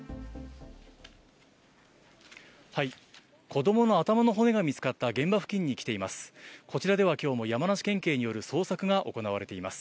子供の頭の骨が見つかった現場付近に来ています。